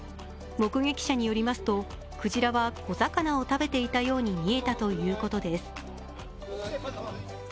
目撃者によりますと、クジラは小魚を食べているように見えたということです。